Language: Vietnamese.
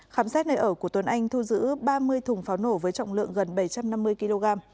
khám xét nơi ở của tuấn anh thu giữ ba mươi thùng pháo nổ với trọng lượng gần bảy trăm năm mươi kg